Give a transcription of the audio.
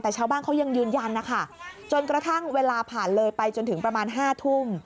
แต่ชาวบ้านเขายังยืนยันนะคะจนกระทั่งเวลาผ่านเลยไปจนถึงประมาณ๕ทุ่ม